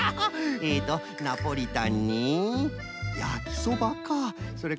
えっとナポリタンにやきそばか。